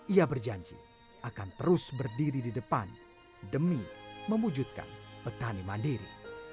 ia berjanji akan terus berdiri di depan demi memujudkan petani mandiri